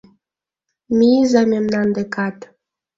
— Мийыза мемнан декат.